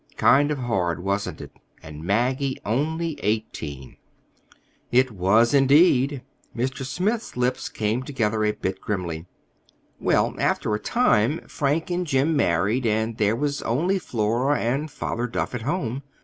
Kind of hard, wasn't it?—and Maggie only eighteen!" "It was, indeed!" Mr. Smith's lips came together a bit grimly. "Well, after a time Frank and Jim married, and there was only Flora and Father Duff at home.